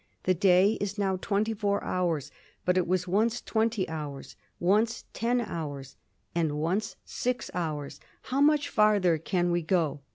The day is now twenty four hours; it was once twenty hours, once ten hours, and once six hours. How much farther can we go?